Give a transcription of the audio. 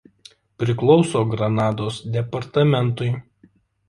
Priklauso Granados departamentui.